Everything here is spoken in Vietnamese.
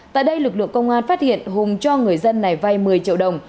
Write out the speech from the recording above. tại đây lực lượng công an phát hiện hùng cho người dân này vay một mươi triệu đồng